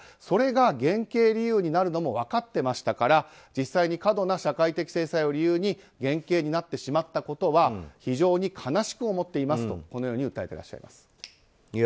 それが減軽理由になるのも分かっていましたから実際に過度な社会的制裁を理由に減軽になってしまったことは非常に悲しく思っていますと訴えていらっしゃいます。